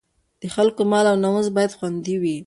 د خلکو مال او ناموس باید خوندي وي.